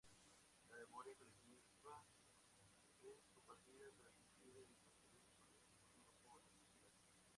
La memoria colectiva es compartida, transmitida y construida por el grupo o la sociedad.